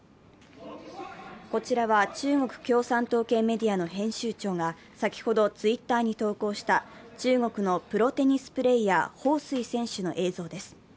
こちらは中国共産党メディアの編集長がＴｗｉｔｔｅｒに投稿した中国のプロテニスプレーヤー彭帥選手の映像です。